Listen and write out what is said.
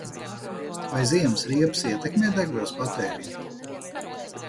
Vai ziemas riepas ietekmē degvielas patēriņu?